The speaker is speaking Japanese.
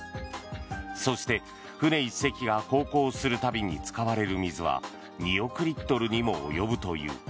そして、船１隻が航行する度に使われる水は２億リットルにも及ぶという。